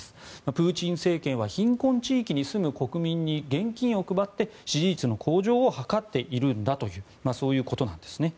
プーチン政権は貧困地域に住む国民に現金を配って支持率の向上を図っているんだということです。